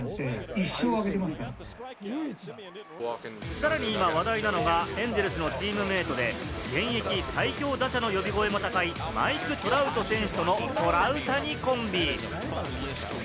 さらに今話題なのがエンゼルスのチームメートで、現役最強打者の呼び声も高いマイク・トラウト選手とのトラウタニコンビ。